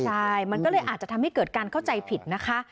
ใช่มันก็เลยอาจจะทำให้เกิดการเข้าใจผิดนะคะ